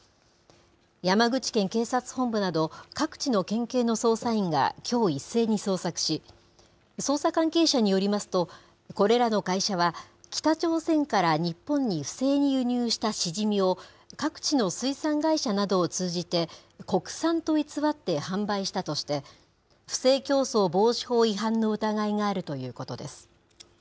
山口県警察本部など、各地の県警の捜査員がきょう、一斉に捜索し、捜査関係者によりますと、これらの会社は、北朝鮮から日本に不正に輸入したシジミを、各地の水産会社などを通じて、国産と偽って販売したとして、不正競争防止法違反の疑いがあるということです。